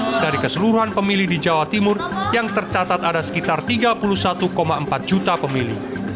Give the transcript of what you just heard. dan diperlukan penerimaan pemilih di jawa timur yang tercatat ada sekitar tiga puluh satu empat juta pemilih